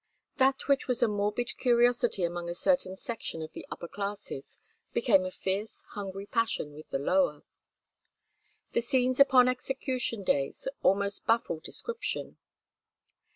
That which was a morbid curiosity among a certain section of the upper classes became a fierce hungry passion with the lower. The scenes upon execution days almost baffle description.